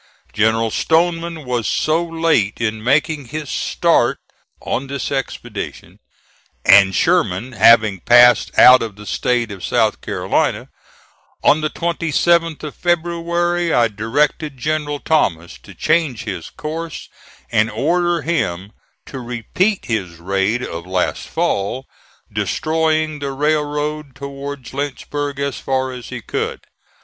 General Stoneman was so late in making his start on this expedition (and Sherman having passed out of the State of South Carolina), on the 27th of February I directed General Thomas to change his course, and order him to repeat his raid of last fall, destroying the railroad towards Lynchburg as far as he could.